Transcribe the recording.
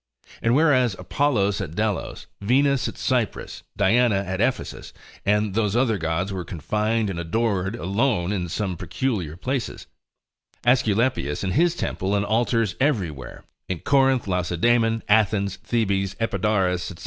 And whereas Apollo at Delos, Venus at Cyprus, Diana at Ephesus, and those other gods were confined and adored alone in some peculiar places: Aesculapius and his temple and altars everywhere, in Corinth, Lacedaemon, Athens, Thebes, Epidaurus, &c.